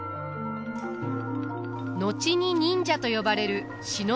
後に忍者と呼ばれる忍びの者。